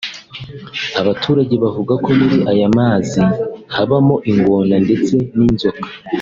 Abaturage bavuga ko muri aya mazi habamo ingona ndetse n’inzoka